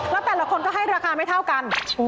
แล้วแต่ละคนก็ให้ราคาไม่เท่ากัน